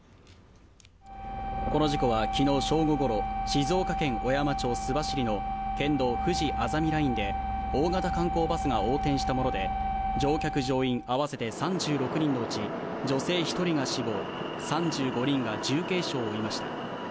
この事故は昨日正午ごろ、静岡県小山町須走の県道ふじあざみラインで大型観光バスが横転したもので乗客・乗員合わせて３６人のうち女性１人が死亡、３５人が重軽傷を負いました。